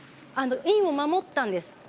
インを守ったんです。